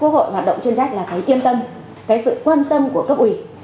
quốc hội hoạt động chuyên trách là thấy yên tâm cái sự quan tâm của cấp ủy